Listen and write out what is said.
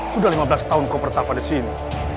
sudah lima belas tahun kau pertama di sini